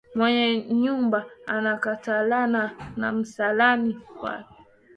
Mwenye nyumba anakatala na msalani wake